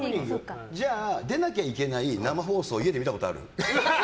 じゃあ出なきゃいけない生放送、家で見たことある？